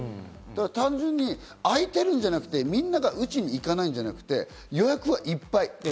単純に空いてるんじゃなくて、皆が打ちに行かないんじゃなくて、予約がいっぱい。